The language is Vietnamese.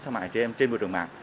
sao mại trẻ em trên vườn trường mạc